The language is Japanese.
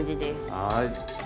はい。